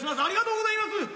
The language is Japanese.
ありがとうございます。